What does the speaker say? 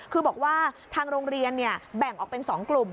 คือบอกว่าทางโรงเรียนแบ่งออกเป็น๒กลุ่ม